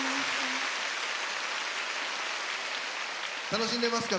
楽しんでますか？